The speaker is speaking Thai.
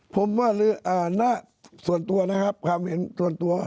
ผมว่าณส่วนตัวนะครับความเห็นส่วนตัว